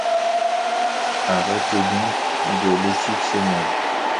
Arrêt donc de l'équipe seniors.